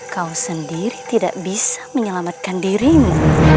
kau sendiri tidak bisa menyelamatkan dirimu